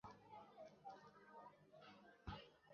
আমি এটা বিশ্বাসই করতে পারছি না!